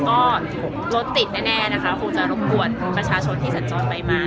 ก็รถติดแน่นะคะคงจะรบกวนประชาชนที่สัญจรไปมา